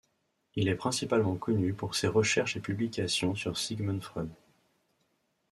Il est principalement connu pour ses recherches et publications sur Sigmund Freud.